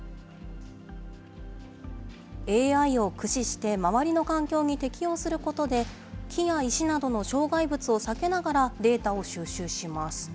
ＡＩを駆使して周りの環境に適応することで、木や石などの障害物を避けながらデータを収集します。